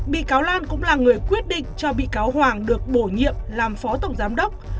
bị cáo lan cũng là người quyết định cho bị cáo hoàng được bổ nhiệm làm phó tổng giám đốc